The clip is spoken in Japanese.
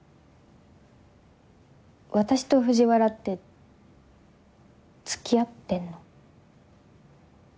私と藤原って付き合ってんの？